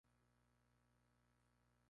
Fueron duramente reprimidos.